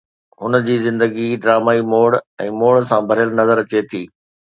هن جي زندگي ڊرامائي موڙ ۽ موڙ سان ڀريل نظر اچي ٿي